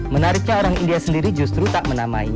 menariknya orang india sendiri justru tak menamai